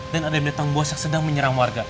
dan ada binatang buas yang sedang menyerang warga